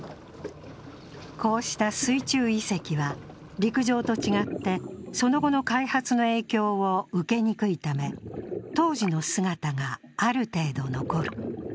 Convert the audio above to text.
こうした水中遺跡は陸上と違ってその後の開発の影響を受けにくいため、当時の姿がある程度残る。